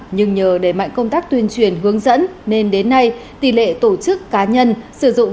nhưng nhờ đẩy mạnh công tác tuyên truyền hướng dẫn nên đến nay tỷ lệ tổ chức cá nhân sử dụng